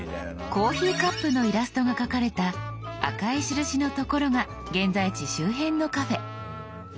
コーヒーカップのイラストが描かれた赤い印の所が現在地周辺のカフェ。